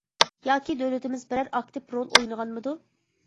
ياكى دۆلىتىمىز بىرەر ئاكتىپ رول ئوينىغانمىدۇ.